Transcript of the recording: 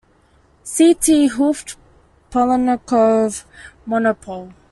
See 't Hooft-Polyakov monopole.